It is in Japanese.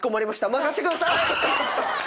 任せてください！」。